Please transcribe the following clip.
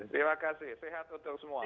terima kasih sehat untuk semua